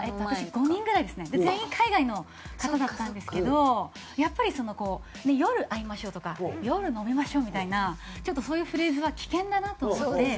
全員海外の方だったんですけどやっぱりそのこう「夜会いましょう」とか「夜飲みましょう」みたいなちょっとそういうフレーズは危険だなと思って